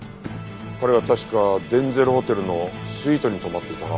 彼は確かデンゼルホテルのスイートに泊まっていたな。